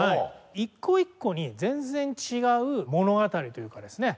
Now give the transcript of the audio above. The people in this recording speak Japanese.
一個一個に全然違う物語というかですね